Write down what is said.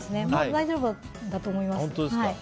大丈夫だと思います。